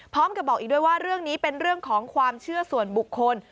พร้อมกับบอกอีกด้วยว่าเรื่องนี้เป็นเรื่องของความเชื่อส่วนบุคคล